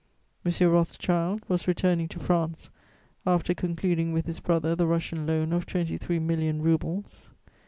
M. Rothschild was returning to France after concluding with his brother the Russian loan of twenty three million roubles.